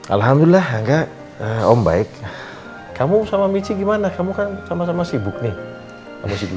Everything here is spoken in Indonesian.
alhamdulillah enggak om baik kamu sama michi gimana kamu kan sama sama sibuk nih